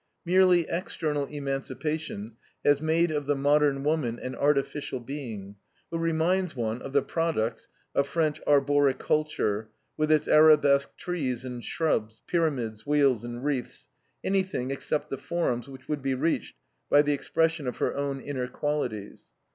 Merely external emancipation has made of the modern woman an artificial being, who reminds one of the products of French arboriculture with its arabesque trees and shrubs, pyramids, wheels, and wreaths; anything, except the forms which would be reached by the expression of her own inner qualities.